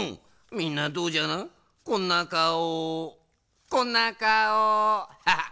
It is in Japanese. みんなどうじゃなこんなかおこんなかお」ハハッ。